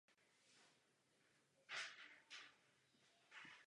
Prezidentský pár má své oficiální sídlo v prezidentském paláci v Cetinje.